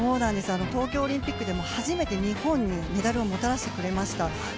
東京オリンピックでも初めて日本にメダルをもたらしてくれました。